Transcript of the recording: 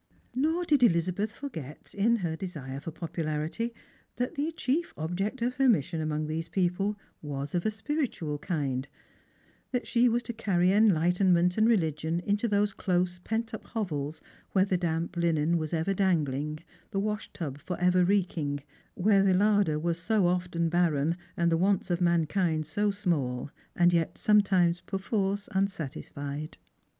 Nor did Elizabeth forget, in her desire for popularity, that the chief object of her mission among these people was of a spiritual kind : that she was to carry enlightenment and religion into those close pent up hovels where the damp linen was ever dangling, the waehtub for ever reeking ; where the larder was so often barren, and the wants of mankind so small and yet sometimes perforce unsatisfied.